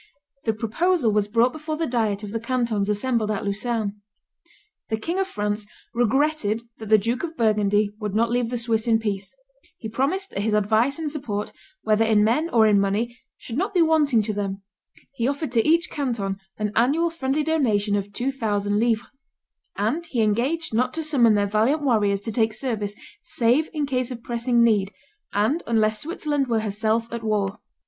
The proposal was brought before the diet of the cantons assembled at Lucerne. The King of France "regretted that the Duke of Burgundy would not leave the Swiss in peace; he promised that his advice and support, whether in men or in money, should not be wanting to them; he offered to each canton an annual friendly donation of two thousand livres; and he engaged not to summon their valiant warriors to take service save in case of pressing need, and unless Switzerland were herself at war."